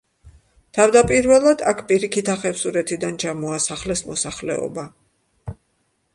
თავდაპირველად აქ პირიქითა ხევსურეთიდან ჩამოასახლეს მოსახლეობა.